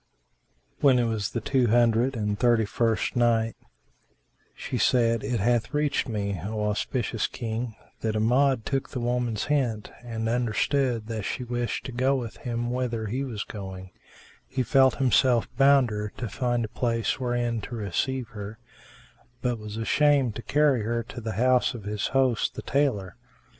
When it was the Two Hundred and Thirty first Night, She said, It hath reached me, O auspicious King, that Amjad took the woman's hint and understood that she wished to go with him whither he was going; he felt himself bounder to find a place wherein to receive her, but was ashamed to carry her to the house of his host, the tailor.